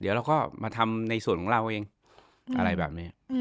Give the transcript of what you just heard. เดี๋ยวเราก็มาทำในส่วนของเราเองอะไรแบบนี้